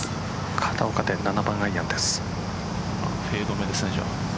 片岡、７番アイアンです。